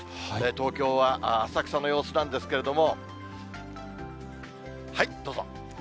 東京は浅草の様子なんですけれども、はい、どうぞ。